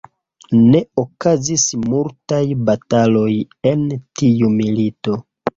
Ne okazis multaj bataloj en tiu milito.